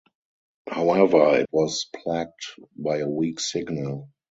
However, it was plagued by a weak signal.